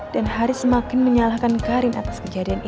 dan haris semakin menyalahkan karim atas kejadian ini